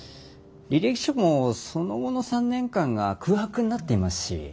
履歴書もその後の３年間が空白になっていますし。